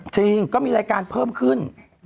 จริงก็มีรายการเพิ่มขึ้น